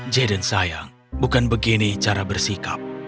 jaden sayang bukan begini cara bersikap